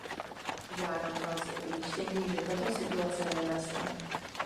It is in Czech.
Žádám vás o ujištění, že tato situace nenastane.